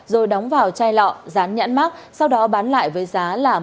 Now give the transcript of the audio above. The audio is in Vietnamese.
rồi đóng vào chai lọ rán nhãn mark sau đó bán lại với giá một mươi sáu đồng một sản phẩm